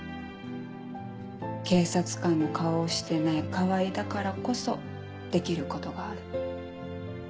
警察官の顔をしてない川合だからこそできることがある。